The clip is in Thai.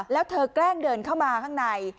แล้วเธอแกล้งเดินเข้ามาข้างใน